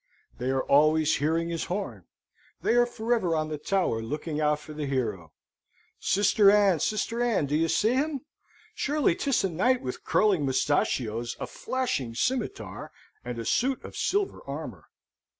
They are always hearing his horn. They are for ever on the tower looking out for the hero. Sister Ann, Sister Ann, do you see him? Surely 'tis a knight with curling mustachios, a flashing scimitar, and a suit of silver armour.